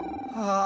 ああ。